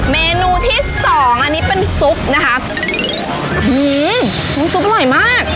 เมนูที่สองอันนี้เป็นซุปนะคะน้ำซุปอร่อยมาก